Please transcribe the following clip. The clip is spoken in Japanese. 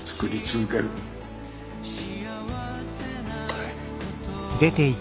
はい。